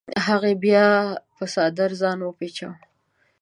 هغې بیا په څادر ځان وپیچوه.